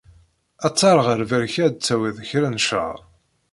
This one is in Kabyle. Aṭer ɣer lberka ad d-tawiḍ kra n ccrab.